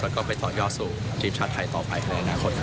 และก็ไปต่อยอดสู่ทฤษภัณฑ์ไทยต่อไปในอนาคต